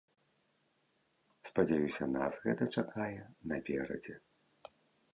Спадзяюся, нас гэта чакае наперадзе.